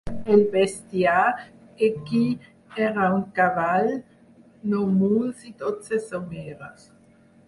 El bestiar equí era un cavall, nou muls i dotze someres.